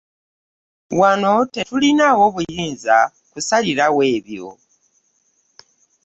Wano tetulinaawo buyinza kusalirawo ebyo.